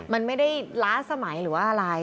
มันไม่ได้ล้าสมัยหรือว่าอะไร